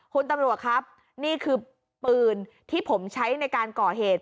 คุณตำรวจครับนี่คือปืนที่ผมใช้ในการก่อเหตุ